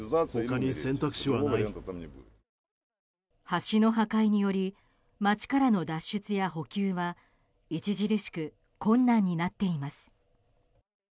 橋の破壊により街からの脱出や補給は著しく困難になっています。